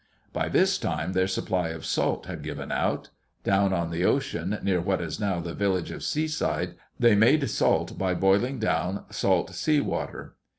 By this time their supply of salt had given out. Down on the ocean, near what is now the village of Seaside, they made salt by boiling down salt sea water.